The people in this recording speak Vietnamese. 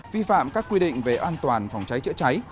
vi phạm các quy định về an toàn phòng cháy chữa cháy